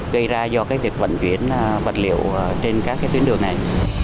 gây ra do việc bệnh viện vật liệu trên các tuyến đường này